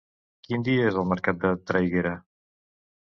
Quin dia és el mercat de Traiguera?